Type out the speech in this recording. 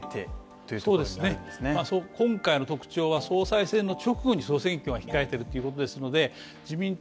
そう今回の特徴は総裁選の直後に総選挙を控えてるっていうことですので自民党